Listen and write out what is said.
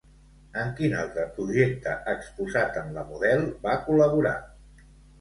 En quin altre projecte exposat en La Model va col·laborar?